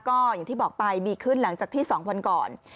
ก็อย่างที่บอกไปมีขึ้นหลังจากที่๒วันก่อน